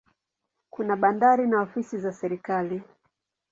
Kuna bandari na ofisi za serikali.